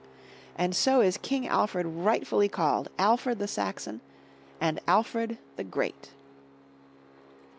And so is King Alfred rightfully called Alfred the Saxon and Alfred the Great.